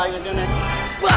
eh udah gak apa apa